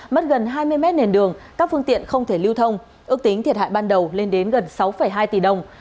mất gần hai mươi mét nền đường các phương tiện không thể lưu thông ước tính thiệt hại ban đầu lên đến gần sáu hai tỷ đồng